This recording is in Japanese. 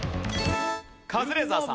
カズレーザーさん。